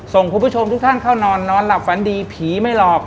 คุณผู้ชมทุกท่านเข้านอนนอนหลับฝันดีผีไม่หลอก